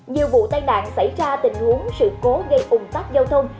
nhiều vụ tai nạn xảy ra tình huống sự cố gây ủng tắc giao thông